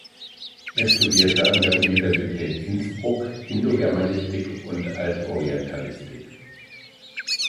Er studierte an der Universität Innsbruck Indogermanistik und Altorientalistik.